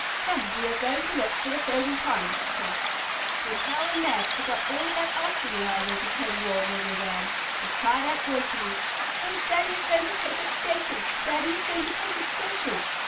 "Come, we are going to look for the frozen pond!" he said. Then Hal and Mab forgot all about asking why they became warm when they ran. They cried out joyfully: "Oh, Daddy is going to take us skating! Daddy is going to take us skating!"